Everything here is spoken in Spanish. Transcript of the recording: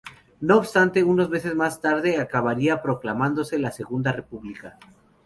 No obstante, unos meses más tarde acabaría proclamándose la Segunda República.